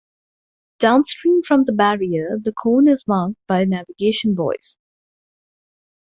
Downstream from the barrier, the Colne is marked by navigation buoys.